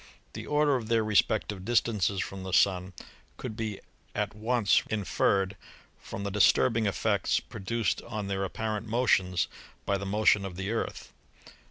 The order of their respective distances from the Sun could be at once inferred from the disturbing effects produced on their apparent motions by the motion of the Earth.